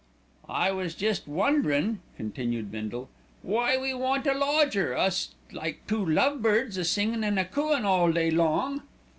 "I was jest wonderin'," continued Bindle, "why we want a lodger, us like two love birds a singin' an' a cooin' all day long."